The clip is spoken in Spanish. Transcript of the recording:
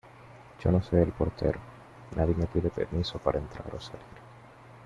yo no soy el portero. nadie me pide permiso para entrar o salir .